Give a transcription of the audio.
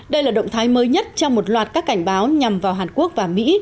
đây là động thái mới nhất trong một loạt các cảnh báo nhằm vào hàn quốc và mỹ